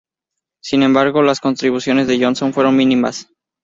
Sin embargo, las contribuciones de Johnson fueron mínimas.